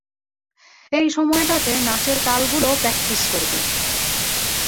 এই সময়টাতে, নাচের তালগুলো প্র্যাকটিস করব।